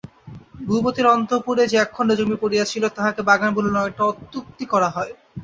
ভূপতির অন্তঃপুরে যে একখণ্ড জমি পড়িয়া ছিল তাহাকে বাগান বলিলে অনেকটা অত্যুক্তি করা হয়।